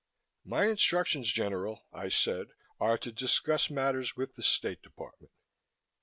"My instructions, General," I said, "are to discuss matters with the State Department."